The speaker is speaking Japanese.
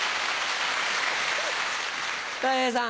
たい平さん。